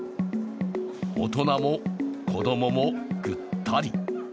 大人も子供もぐったり。